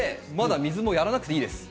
水も、まだやらなくていいです。